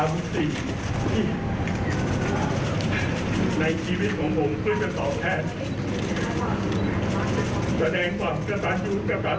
เมื่อถึงวันนั้นแต่วันนี้เป็นหลักทีมันทั้งเป็นพิธีให้กับชีวิตของผม